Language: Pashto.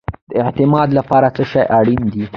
د اعتماد لپاره څه شی اړین دی؟